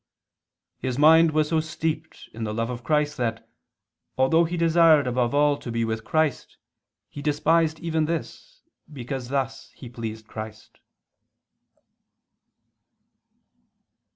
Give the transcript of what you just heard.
]): "His mind was so steeped in the love of Christ that, although he desired above all to be with Christ, he despised even this, because thus he pleased Christ."